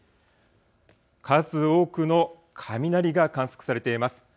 数多くの雷が観測されています。